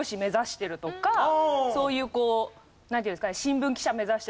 そういうこうなんていうんですかね。